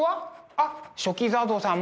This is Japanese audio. あっ書記座像さん